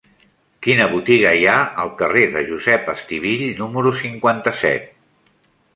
Quina botiga hi ha al carrer de Josep Estivill número cinquanta-set?